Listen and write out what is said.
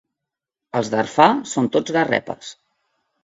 Els d'Arfa són tots garrepes.